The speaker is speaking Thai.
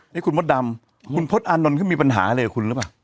นี่คุณมดดำคุณพศอานนท์เขามีปัญหาอะไรกับคุณหรือเปล่า